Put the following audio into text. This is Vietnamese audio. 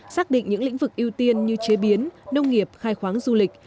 xác định những lĩnh vực ưu tiên như chế biến nông nghiệp khai khoáng du lịch